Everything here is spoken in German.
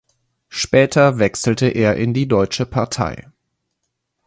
Später wechselte er in die Deutsche Partei.